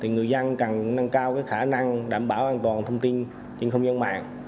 người dân cần nâng cao khả năng đảm bảo an toàn thông tin trên không gian mạng